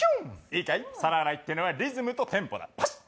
いいかい、皿洗いっていうのはリズムとテンポだ。